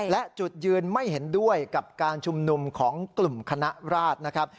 และจุดยืนไม่เห็นด้วยกับการชุมนุมของกลุ่มคณะราชนะครับ